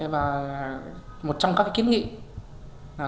và một trong các kiến nghị là